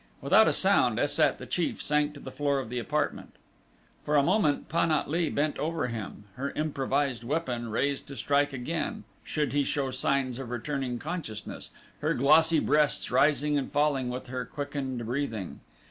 Without a sound Es sat, the chief, sank to the floor of the apartment. For a moment Pan at lee bent over him, her improvised weapon raised to strike again should he show signs of returning consciousness, her glossy breasts rising and falling with her quickened breathing.